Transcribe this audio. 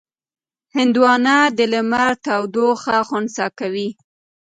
هندوانه د لمر تودوخه خنثی کوي.